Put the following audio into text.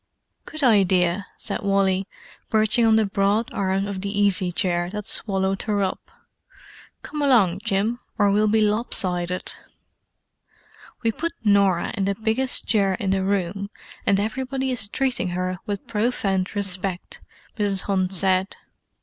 "Good idea!" said Wally, perching on the broad arm of the easy chair that swallowed her up. "Come along, Jim, or we'll be lop sided!" "We put Norah in the biggest chair in the room, and everybody is treating her with profound respect," Mrs. Hunt said.